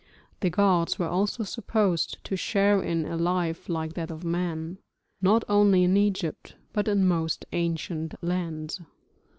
The gods were also supposed to share in a life like that of man, not only in Egypt but in most ancient lands.